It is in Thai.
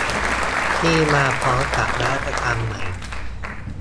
ที่มาพร้อมกับนวัตกรรมใหม่